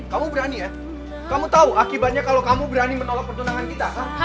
kamu berani ya kamu tahu akibatnya kalau kamu berani menolak pertunangan kita